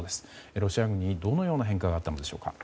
ロシア軍にどのような変化があったのでしょうか。